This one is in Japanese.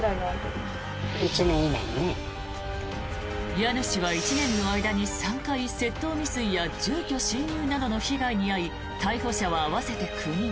家主は１年の間に３回窃盗未遂や住居侵入などの被害に遭い逮捕者は合わせて９人。